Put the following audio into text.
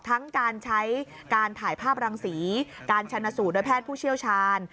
ทั้งการใช้การถ่ายภาพรังสีการชนะสูตรโดยแพทย์ผู้เชี่ยวชาญ